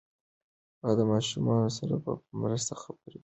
هغه د ماشومانو سره په مینه خبرې کوي.